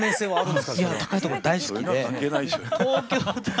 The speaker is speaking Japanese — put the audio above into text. はい。